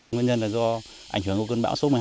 nguyên nhân là do ảnh hưởng của cơn bão số một mươi hai